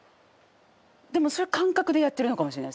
でもそれは感覚でやってるのかもしれないです。